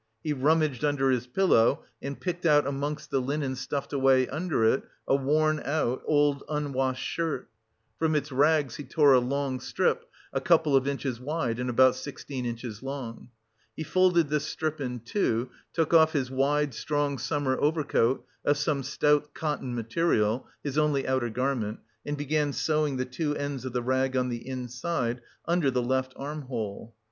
He rummaged under his pillow and picked out amongst the linen stuffed away under it, a worn out, old unwashed shirt. From its rags he tore a long strip, a couple of inches wide and about sixteen inches long. He folded this strip in two, took off his wide, strong summer overcoat of some stout cotton material (his only outer garment) and began sewing the two ends of the rag on the inside, under the left armhole.